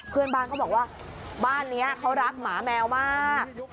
เพื่อนบ้านเขาบอกว่าบ้านนี้เขารักหมาแมวมาก